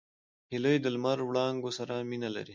هیلۍ د لمر وړانګو سره مینه لري